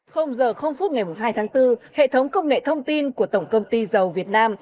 giờ phút ngày hai tháng bốn hệ thống công nghệ thông tin của tổng công ty dầu việt nam